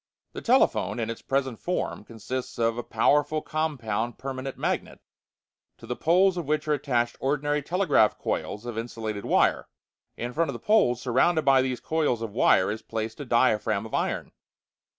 The telephone, in its present form, consists of a powerful compound permanent magnet, to the poles of which are attached ordinary telegraph coils of insulated wire. In front of the poles, surrounded by these coils of wire, is placed a diaphragm of iron.